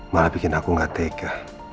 malah bikin aku gak tega